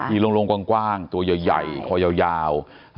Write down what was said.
โล่งกว้างตัวใหญ่คอยาว